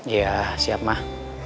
iya siap mah